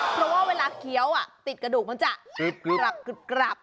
เพราะว่าเวลาเคี้ยวติดกระดูกมันจะกรับ